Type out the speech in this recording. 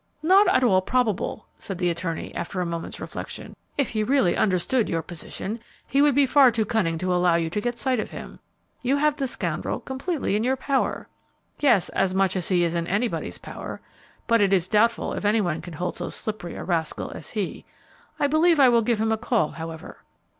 "Not at all probable," said the attorney, after a moment's reflection. "If he really understood your position, he would be far too cunning to allow you to get sight of him. You have the scoundrel completely in your power." "Yes, as much as he is in anybody's power; but it is doubtful if any one can hold so slippery a rascal as he. I believe I will give him a call, however."